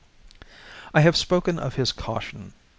I have spoken of his caution.